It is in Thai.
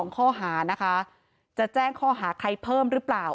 ข้อหานะคะจะแจ้งข้อหาใครเพิ่มหรือเปล่า